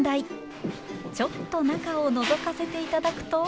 ちょっと中をのぞかせていただくと。